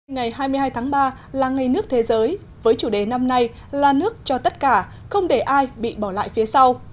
ngày hai mươi hai tháng ba là ngày nước thế giới với chủ đề năm nay là nước cho tất cả không để ai bị bỏ lại phía sau